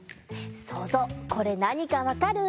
そうぞうこれなにかわかる？